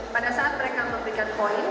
pada saat mereka memberikan poin